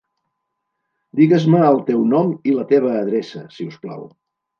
Digues-me el teu nom i la teva adreça, si us plau.